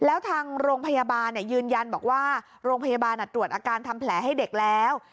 แล้วทางโรงพยาบาลยืนยันบอกว่าโรงพยาบาลตรวจอาการทำแผลให้เด็กแล้ว